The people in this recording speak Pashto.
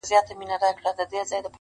ما یې لمن کي اولسونه غوښتل؛